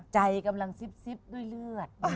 ใจกำลังซิบด้วยเลือด